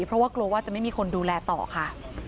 เพราะว่ากลัวว่าจะไม่มีคนดูแลต่อค่ะ